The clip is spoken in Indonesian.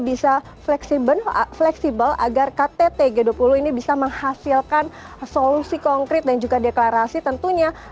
bisa fleksibel agar ktt g dua puluh ini bisa menghasilkan solusi konkret dan juga deklarasi tentunya